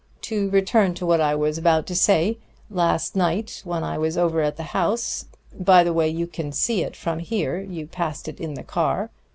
To return to what I was about to say: last night, when I was over at the house by the way, you can see it from here. You passed it in the car."